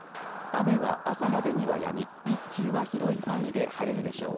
雨は朝までにはやみ日中は広い範囲で晴れるでしょう。